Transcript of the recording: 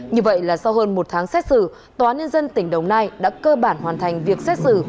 như vậy là sau hơn một tháng xét xử tòa nhân dân tỉnh đồng nai đã cơ bản hoàn thành việc xét xử